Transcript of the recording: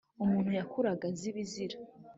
Umuntu yakuraga azi ibizira